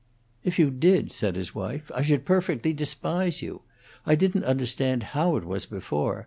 "If you did," said his wife, "I should perfectly despise you. I didn't understand how it was before.